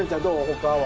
他は。